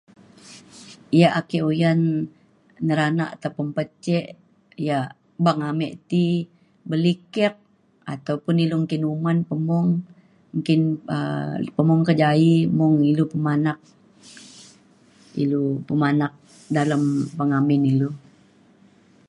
ia' ake uyan nelanak ataupun pejek ia' beng ame ti beli kek ataupun ilu nggin umen pemung nggin um pemung kejaie mung ilu pemanak ilu pemanak dalem pengamin ilu